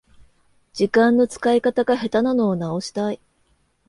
時間の使い方が下手なのを直したい